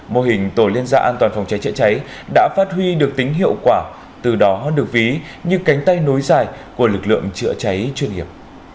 mô hình tổ liên gia an toàn phòng cháy chữa cháy đã phát huy được tính hiệu quả từ đó được ví như cánh tay nối dài của lực lượng chữa cháy chuyên nghiệp